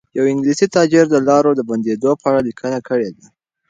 یو انګلیسي تاجر د لارو د بندېدو په اړه لیکنه کړې ده.